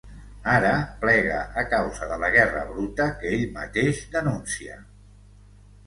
Ara, plega a causa de la guerra bruta que ell mateix denuncia.